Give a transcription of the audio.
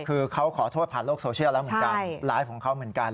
คือเขาขอโทษผ่านโลกโซเชียลแล้วเหมือนกันไลฟ์ของเขาเหมือนกัน